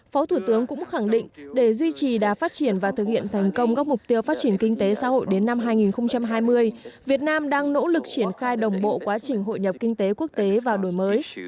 phó thủ tướng cũng khẳng định để duy trì đà phát triển và thực hiện thành công các mục tiêu phát triển kinh tế xã hội đến năm hai nghìn hai mươi việt nam đang nỗ lực triển khai đồng bộ quá trình hội nhập kinh tế quốc tế vào đổi mới